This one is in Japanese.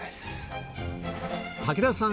武田さん